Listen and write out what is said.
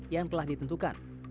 yang telah ditentukan